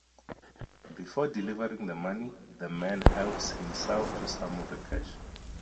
Before delivering the money, the man helps himself to some of the cash.